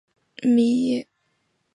米尔斯伯勒下属的一座城镇。